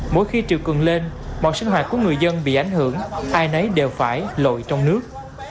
mỗi khi triều cường lên mọi sinh hoạt của người dân bị ảnh hưởng ai nấy đều phải lội trong nước